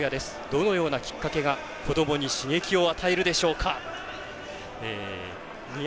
どのようなきっかけが子どもに刺激を与えるでしょうか。